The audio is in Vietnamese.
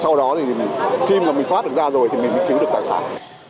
sau đó thì khi mà mình thoát được ra rồi thì mình mới cứu được tài sản